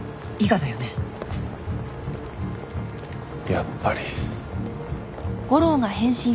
やっぱり。